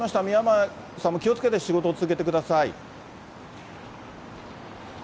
宮前さんも気をつけて仕事を続けてください。